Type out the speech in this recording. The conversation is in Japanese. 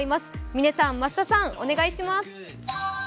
嶺さん、増田さん、お願いします。